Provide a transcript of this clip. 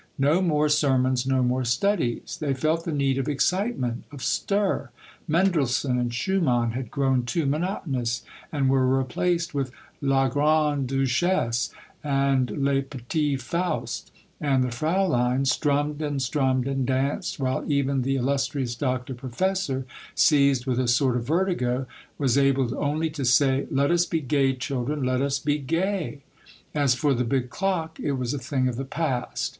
No more sermons, no more studies ! They felt the need of excitement, of stir. Mendelssohn and Schumann had grown too monotonous, and were replaced with La Grande Duchesse, and Le Petit Faust, and the Frauleins strummed and strummed and danced, while even the illustrious Doctor Professor, seized with a sort of vertigo, was able only to say, " Let us be gay, children, let us be gay !" As for the big clock, it was a thing of the past.